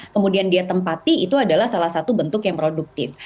kemudian dia tempati itu adalah salah satu bentuk yang produktif